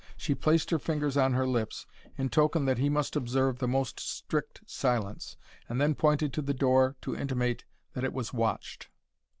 She placed her fingers on her lips, in token that he must observe the most strict silence, and then pointed to the door to intimate that it was watched.